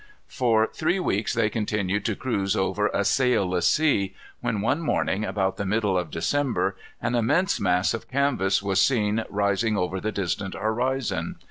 For three weeks they continued to cruise over a sailless sea, when one morning, about the middle of December, an immense mass of canvas was seen rising over the distant horizon.